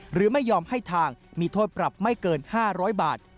หรือไม่ยอมให้ทางมีโทษปรับไม่เกิน๕๐๐บาท